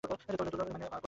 মাইনে পাওয়া চাকরি।